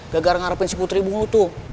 gara gara ngarepin si putri ibu lo tuh